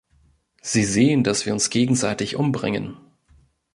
Sie sehen, dass wir uns gegenseitig umbringen.